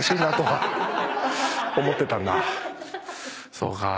そうか。